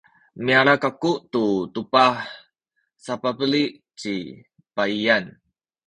miyala kaku tu tubah sapabeli ci baiyan.